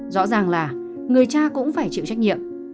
rõ ràng là người cha cũng phải chịu trách nhiệm